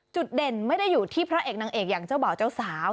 เด่นไม่ได้อยู่ที่พระเอกนางเอกอย่างเจ้าบ่าวเจ้าสาว